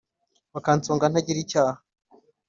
Bakansonga ntagira icyaha